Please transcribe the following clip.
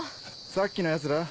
さっきのヤツら？